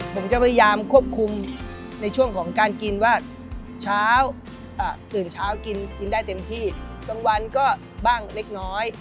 ผมจะพยายามควบคุมในช่วงของการกินว่าเช้าตื่นเช้ากินได้เต็มที่กลางวันก็บ้างเล็กน้อย